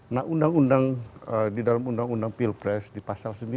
nah undang undang di dalam undang undang pilpres di pasal sembilan